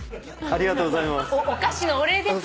ありがとうございます。